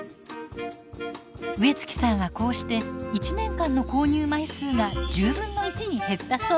植月さんはこうして１年間の購入枚数が１０分の１に減ったそう。